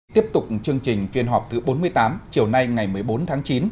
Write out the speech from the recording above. tiếp tục chương trình phiên họp thứ bốn mươi tám chiều nay ngày một mươi bốn tháng chín